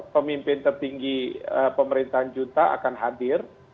pemimpin tertinggi pemerintahan juta akan hadir